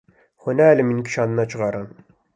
Xwe neelîmînin kişandina cixaran.